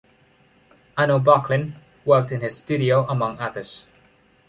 Arnold Böcklin worked in his studio, among others.